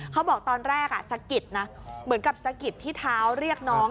เขาบอกตอนแรกสะกิดนะเหมือนกับสะกิดที่เท้าเรียกน้อง